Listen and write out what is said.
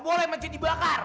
boleh masjid dibakar